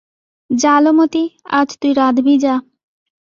যা লো মতি, আজ তুই রাধবি যা।